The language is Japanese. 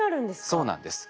そうなんです。